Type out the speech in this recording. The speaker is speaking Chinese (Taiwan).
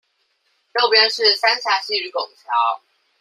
右邊是三峽溪與拱橋